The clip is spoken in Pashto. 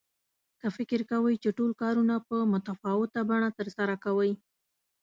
که فکر کوئ چې ټول کارونه په متفاوته بڼه ترسره کوئ.